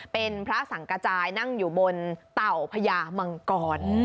เป็นพระสังกระจายนั่งอยู่บนเต่าพญามังกร